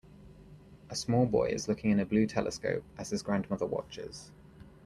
A small boy is looking in a blue telescope as his grandmother watches.